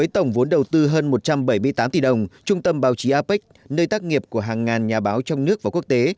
tổng vốn đầu tư hơn một trăm bảy mươi tám tỷ đồng trung tâm báo chí apec nơi tác nghiệp của hàng ngàn nhà báo trong nước và quốc tế